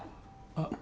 あっ。